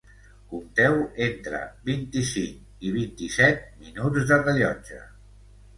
Compteu entre vint-i-cinc i vint-i-set minuts de rellotge